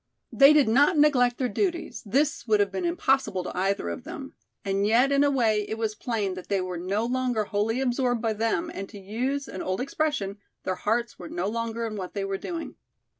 They did not neglect their duties, this would have been impossible to either of them, and yet in a way it was plain that they were no longer wholly absorbed by them and to use an old expression, their hearts were no longer in what they were doing.